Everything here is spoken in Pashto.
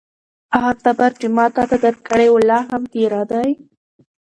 هغه تبر چې ما تاته درکړی و، لا هم تېره دی؟